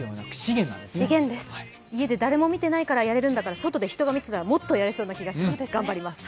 家で誰も見てないのでできるのだったら外で人が見てたら、もっとやれそうな気がします。